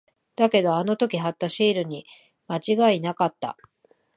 だけど、あの時貼ったシールに間違いなかった。